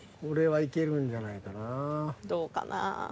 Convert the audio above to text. これはいけるんじゃないかなぁ。